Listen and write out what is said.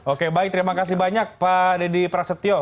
oke baik terima kasih banyak pak deddy prasetyo